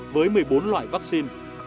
với một mươi bốn loại vaccine